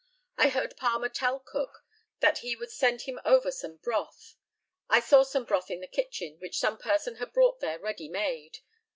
I heard Palmer tell Cook that he would send him over some broth. I saw some broth in the kitchen, which some person had brought there ready made.